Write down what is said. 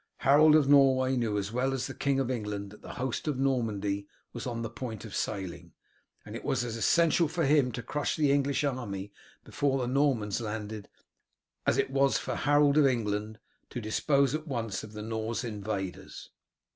Harold of Norway knew as well as the King of England that the host of Normandy was on the point of sailing, and it was as essential for him to crush the English army before the Normans landed as it was for Harold of England to dispose at once of the Norse invaders.